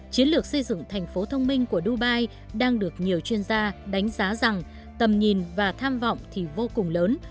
chiến lược xây dựng thành phố thông minh của dubai đang được nhiều chuyên gia đánh giá rằng tầm nhìn và tham vọng thì vô cùng lớn